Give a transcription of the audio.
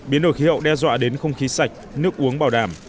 biến đổi khí hậu đe dọa đến không khí sạch nước uống bảo đảm